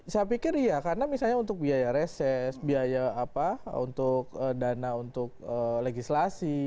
saya pikir iya karena misalnya untuk biaya reses biaya apa untuk dana untuk legislasi